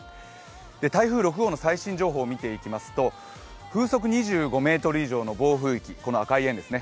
台風６号の最新情報を見ていきますと風速２５メートル以上の暴風域、この赤い円ですね。